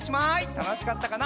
たのしかったかな？